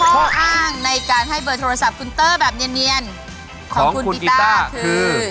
ข้ออ้างในการให้เบอร์โทรศัพท์คุณเตอร์แบบเนียนของคุณกีต้าคือ